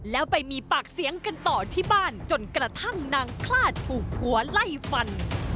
แล้วไปมีปากเสียงกันต่อที่บ้านจนกระทั่งนางคลาดถูกผัวไล่ฟัน